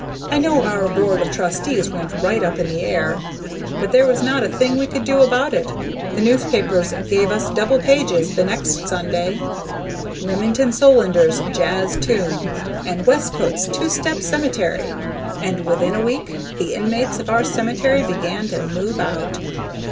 I know our board of trustees went right up in the air, but there was not a thing we could do about it. The newspapers gave us double pages the next Sunday "Remington Solander's Jazz Tomb" and "Westcote's Two Step Cemetery." And within a week the inmates of our cemetery began to move out.